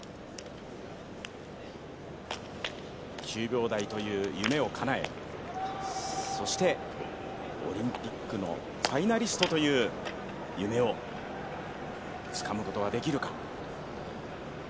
９秒台という夢を叶え、そしてオリンピックのファイナリストという夢をつかむことはできるか？